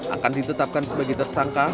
akan ditetapkan sebagai tersangka